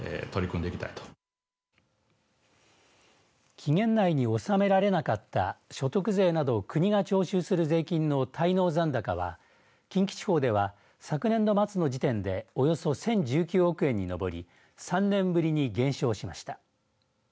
期限内に納められなかった所得税などを国が徴収する税金の滞納残高は近畿地方では昨年度末の時点でおよそ１０１９億円に上り３年ぶりに減少しました。